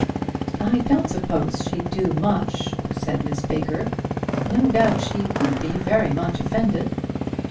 "I don't suppose she'd do much," said Miss Baker; "no doubt she would be very much offended."